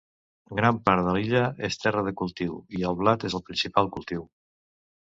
Gran part de l'illa és terra de cultiu, i el blat és el principal cultiu.